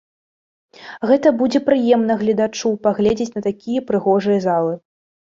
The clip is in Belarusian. Гэта будзе прыемна гледачу паглядзець на такія прыгожыя залы.